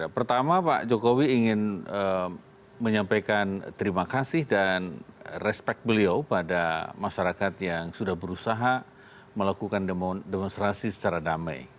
pertama pak jokowi ingin menyampaikan terima kasih dan respect beliau pada masyarakat yang sudah berusaha melakukan demonstrasi secara damai